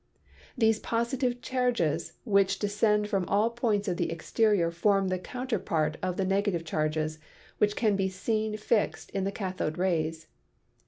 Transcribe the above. These positive charges which descend from all points of the exterior, form the counterpart of the negative charges, which can be seen fixed on the cathode rays.